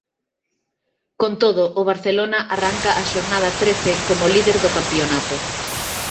Con todo, o Barcelona arranca a xornada trece como líder do campionato.